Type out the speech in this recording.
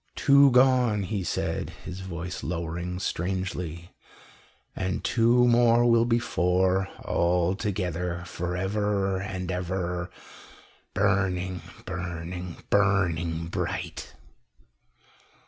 "Two gone," he said, his voice lowering strangely, "and two more will be four all together for ever and ever, burning, burning, burning bright."